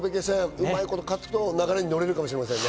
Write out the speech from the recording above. うまいこと勝と波に乗れるかもしれませんね。